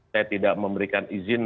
saya tidak memberikan izin